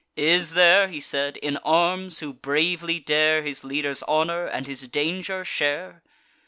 "Is there," he said, "in arms, who bravely dare His leader's honour and his danger share?"